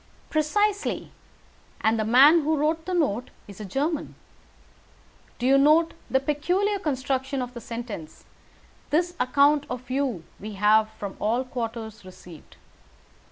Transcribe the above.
"Precisely. And the man who wrote the note is a German. Do you note the peculiar construction of the sentence 'This account of you we have from all quarters received'?